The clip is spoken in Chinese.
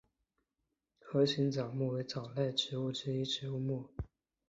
盒形藻目为藻类植物之一植物目。